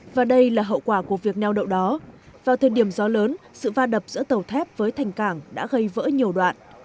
và đây là hậu quả của việc neo đậu đó vào thời điểm gió lớn sự va đập giữa tàu thép với thành cảng đã gây vỡ nhiều đoạn